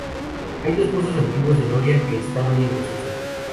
Hay dos pozos antiguos de noria, que están hoy en desuso.